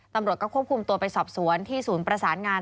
ตำรวจก็ควบคุมตัวไปสอบสวนที่ศูนย์ประสานงาน